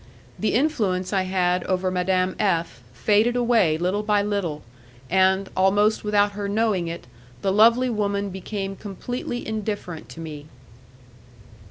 The influence I had over Madame F faded away little by little, and, almost without her knowing it, the lovely woman became completely indifferent to me.